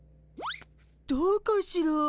どうかしら？